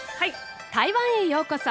台湾へようこそ。